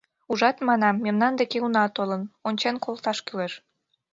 Ужат, — манам, — мемнан деке уна толын, ончен колташ кӱлеш.